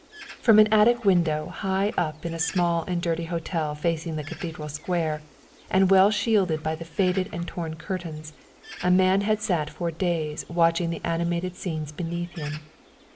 From an attic window high up in a small and dirty hotel facing the Cathedral Square, and well shielded by the faded and torn curtains, a man had sat for days watching the animated scenes beneath him.